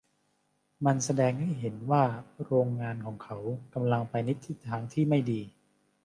มันแสดงให้เห็นว่าโรงงานของเขากำลังไปในทิศทางไม่ดี